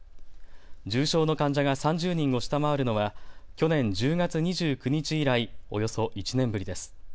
重症の患者が３０人を下回るのは去年１０月２９日以来、およそ１年ぶりです。